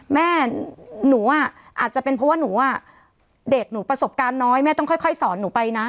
แม่หนูอ่ะอาจจะเป็นเพราะว่าหนูอ่ะเด็กหนูประสบการณ์น้อยแม่ต้องค่อยสอนหนูไปนะ